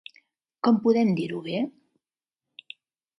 Com podem dir-ho bé?